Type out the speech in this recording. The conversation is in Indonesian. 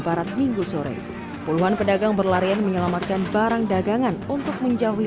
barat minggu sore puluhan pedagang berlarian menyelamatkan barang dagangan untuk menjauhi